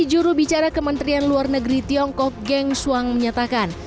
suruh bicara kementerian luar negeri tiongkok geng shuang menyatakan